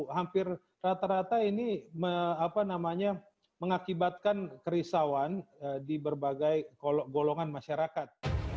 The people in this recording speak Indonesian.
hampir rata rata ini mengakibatkan kerisauan di berbagai golongan masyarakat